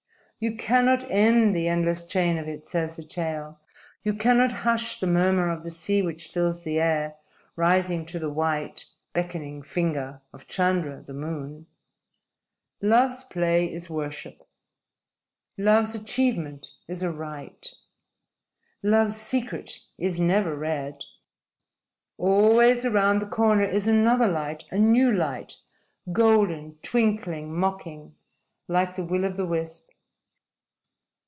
_ _You cannot end the endless chain of it, says the tale. You cannot hush the murmur of the sea which fills the air, rising to the white, beckoning finger of Chandra, the Moon._ Love's play is worship. Love's achievement is a rite. Love's secret is never read. _Always around the corner is another light, a new light golden, twinkling, mocking, like the will o' the wisp.